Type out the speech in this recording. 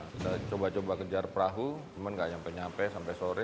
kita coba coba kejar perahu cuma nggak nyampe nyampe sampai sore